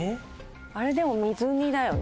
あれでも水煮だよね？